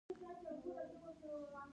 خپل کرنګ آس یې بهر وتاړه.